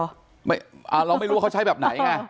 เราไม่รู้ว่าเขาใช้แบบไหนไง